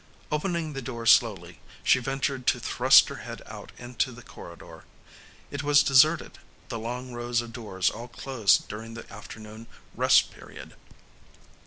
Opening the door slowly, she ventured to thrust her head out into the corridor. It was deserted, the long rows of doors all closed during the afternoon rest period.